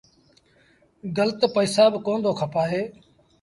گلت پئيٚسآ با ڪونا دو کپآئي